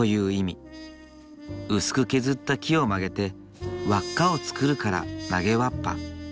薄く削った木を曲げて輪っかを作るから曲げわっぱ。